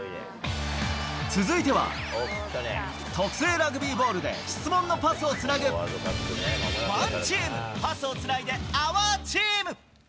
続いては、特製ラグビーボールで質問のパスをつなぐ、ＯＮＥＴＥＡＭパスをつないでＯＵＲＴＥＡＭ。